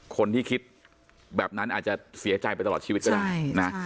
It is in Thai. คนที่คิดแบบนั้นอาจจะเสียใจไปตลอดชีวิตก็ได้นะ